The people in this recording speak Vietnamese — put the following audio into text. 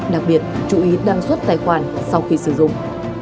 đặc biệt chú ý đăng suất tài khoản sau khi sử dụng